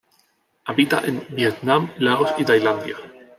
Habita en Vietnam, Laos y Tailandia.